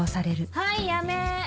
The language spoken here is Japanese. はいやめ！